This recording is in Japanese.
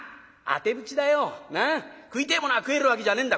食いてえものが食えるわけじゃねえんだ。